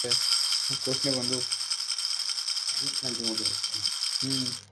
তারা যে শহরেই কাজ করে সেই এলাকার বাসিন্দাদের সাথে মিশে যায়।